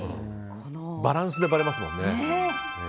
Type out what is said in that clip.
バランスでばれますもんね。